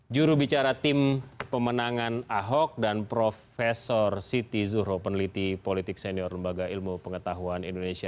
jurubicara tim pemenangan ahok dan prof siti zuhro peneliti politik senior lembaga ilmu pengetahuan indonesia